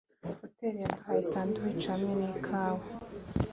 hoteri yaduhaye sandwiches hamwe nikawa.